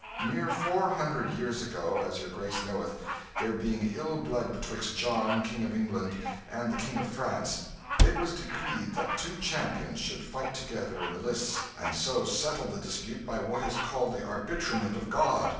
Near four hundred years ago, as your grace knoweth, there being ill blood betwixt John, King of England, and the King of France, it was decreed that two champions should fight together in the lists, and so settle the dispute by what is called the arbitrament of God.